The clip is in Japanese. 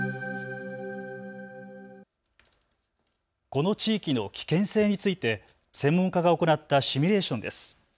この地域の危険性について専門家が行ったシミュレーションです。